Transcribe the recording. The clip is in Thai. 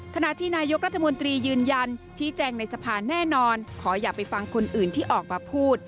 ขณะที่นายกรัฐมนตรียืนยันชี้แจงในสภาแน่นอนขออย่าไปฟังคนอื่นที่ออกมาพูด